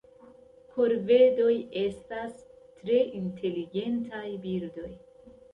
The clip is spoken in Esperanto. Korvedoj estas tre inteligentaj birdoj.